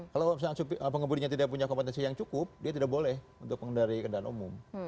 kalau misalnya pengebudinya tidak punya kompetensi yang cukup dia tidak boleh untuk mengendari kendaraan umum